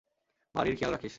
বাড়ির খেয়াল রাখিস।